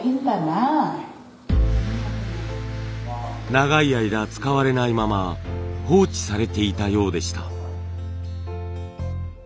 長い間使われないまま放置されていたようでした。